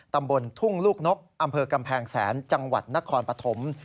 ตำบลทุ่งลูกนกอำเภอกำแพงแสนจังหวัดนครปฐม